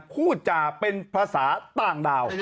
พูดจาเป็นภาษาต่างดาว